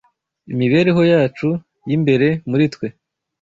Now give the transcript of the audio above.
imibereho yacu y’imbere muri twe